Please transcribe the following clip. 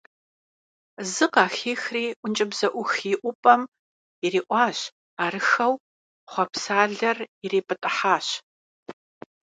Зы къахихри ӀункӀыбзэӀух иӀупӀэм ириӀуащ, арыххэу… хъуэпсалэр ирипӀытӀыхьащ.